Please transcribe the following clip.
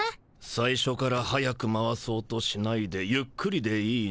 「最初から速く回そうとしないでゆっくりでいいの。